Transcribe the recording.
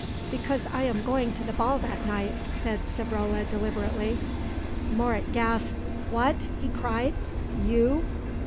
"Because I am going to the ball that night," said Savrola deliberately. Moret gasped. "What," he cried, "you!"